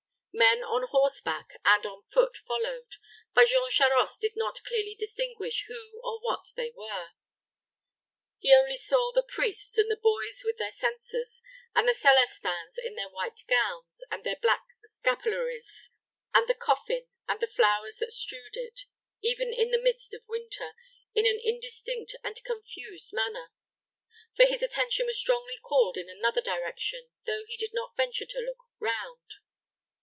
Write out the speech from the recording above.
Men on horseback and on foot followed, but Jean Charost did not clearly distinguish who or what they were. He only saw the priests and the boys with their censers, and the Celestins in their white gowns and their black scapularies, and the coffin, and the flowers that strewed it, even in the midst of winter, in an indistinct and confused manner, for his attention was strongly called in another direction, though he did not venture to look round.